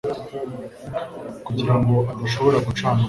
kugirango adashobora gucana umuriro